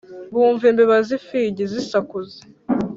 Bumva imbeba z'ifigi zisakuza